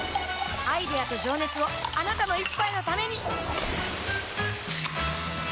アイデアと情熱をあなたの一杯のためにプシュッ！